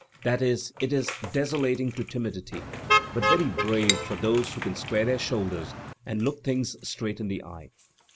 That is, it is desolating to timidity, but very brave for those who can square their shoulders and look things straight in the eye.